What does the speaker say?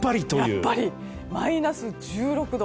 マイナス１６度。